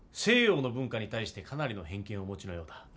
西洋の文化に対してかなりの偏見をお持ちのようだ。